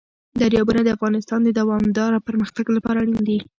دریابونه د افغانستان د دوامداره پرمختګ لپاره اړین دي.